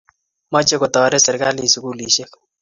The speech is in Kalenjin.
Mochei kotoret serikalit sukulishek